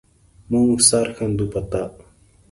مونږ سر ښندو په تا